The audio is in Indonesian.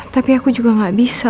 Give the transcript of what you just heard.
tapi aku juga gak bisa